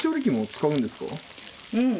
うん。